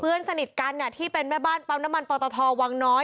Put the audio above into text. เพื่อนสนิทกันที่เป็นแม่บ้านปั๊มน้ำมันปอตทวังน้อย